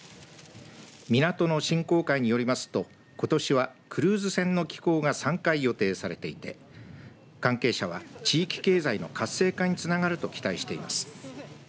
港の振興会によりますとことしはクルーズ船の寄港が３回予定されていて関係者は地域経済の活性化につながると期待しています。